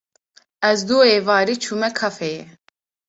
Ez duh êvarê çûme kafeyê.